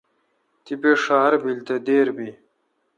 تیپہ ڄار بیل تو دیر بی۔